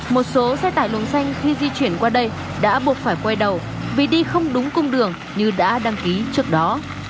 một số xe tải lống xanh khi di chuyển qua đây đã buộc phải quay đầu vì đi không đúng cung đường như đã đăng ký trước đó